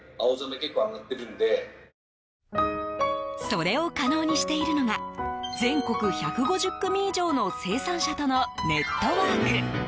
それを可能にしているのが全国１５０組以上の生産者とのネットワーク。